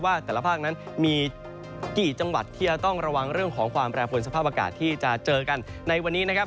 แต่ละภาคนั้นมีกี่จังหวัดที่จะต้องระวังเรื่องของความแปรผลสภาพอากาศที่จะเจอกันในวันนี้นะครับ